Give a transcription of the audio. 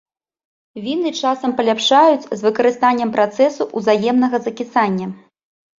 Віны часам паляпшаюць з выкарыстаннем працэсу узаемнага закісання.